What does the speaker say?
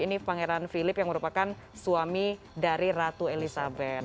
ini pangeran philip yang merupakan suami dari ratu elizabeth